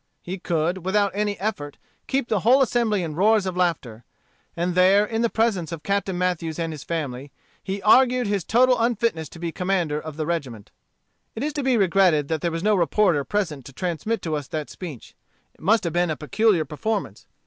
He could, without any effort, keep the whole assembly in roars of laughter. And there, in the presence of Captain Mathews and his family, he argued his total unfitness to be the commander of a regiment. It is to be regretted that there was no reporter present to transmit to us that speech. It must have been a peculiar performance.